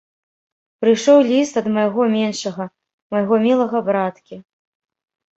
Прыйшоў ліст ад майго меншага, майго мілага браткі.